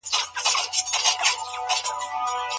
مرکزي کتابتون له پامه نه غورځول کیږي.